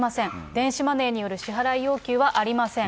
電子マネーによる支払い要求はありません。